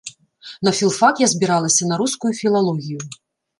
На філфак я збіралася на рускую філалогію.